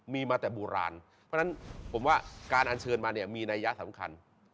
มีมาแต่บุราณเพราะฉะนั้นผมว่าการอาจเชิญมามีนายะสำคัญ